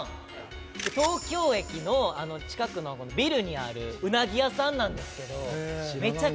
東京駅の近くのビルにあるうなぎ屋さんなんですけど。